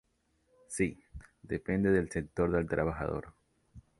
Si, depende del sector del trabajador.